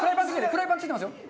フライパンついてますよ！